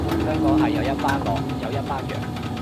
香港係有一班狼，有一班羊